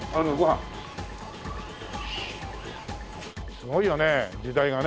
すごいよね時代がね。